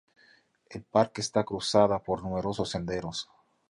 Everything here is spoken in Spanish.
El parque está cruzada por numerosos senderos.